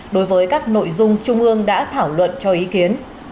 đối với các nội dung trung ương đã thảo luận cho ý kiến